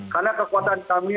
karena kekuatan kami